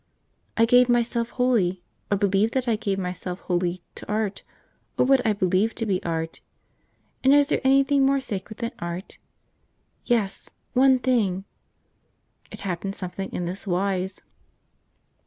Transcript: I gave myself wholly, or believed that I gave myself wholly, to art, or what I believed to be art. And is there anything more sacred than art? Yes, one thing! It happened something in this wise.